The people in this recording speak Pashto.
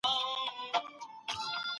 څوک غواړي قانون په بشپړ ډول کنټرول کړي؟